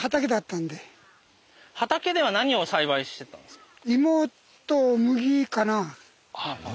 畑では何を栽培してたんですか？